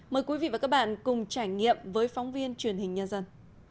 mời quý vị và các bạn cùng trải nghiệm với phóng viên truyền hình nhân dân